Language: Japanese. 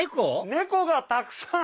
猫がたくさん！